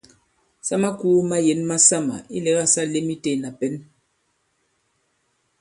Sa makūu mayěn masamà ilɛ̀gâ sa lēm itē ìna pɛ̌n.